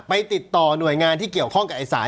ติดต่อหน่วยงานที่เกี่ยวข้องกับไอ้สาย